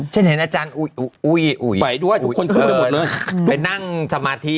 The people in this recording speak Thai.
ฉันเห็นอาจารย์อุ๊ยไปด้วยทุกคนไปนั่งสมาธิ